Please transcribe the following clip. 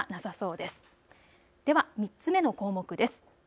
では３つ目の項目です。